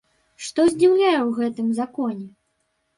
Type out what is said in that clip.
Што здзіўляе ў гэтым законе?